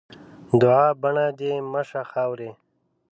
دوعا؛ بڼه دې مه شه خاوري.